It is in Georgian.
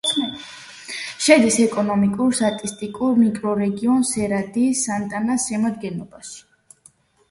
შედის ეკონომიკურ-სტატისტიკურ მიკრორეგიონ სერა-დი-სანტანას შემადგენლობაში.